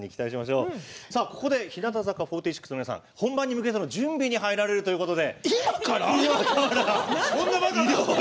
ここで日向坂４６の皆さん本番に向けての準備に入られるということで。